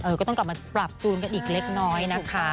ก็ต้องกลับมาปรับจูนกันอีกเล็กน้อยนะคะ